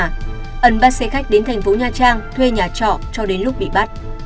ân bắt xe khách đến thành phố nha trang thuê nhà trọ cho đến lúc bị bắt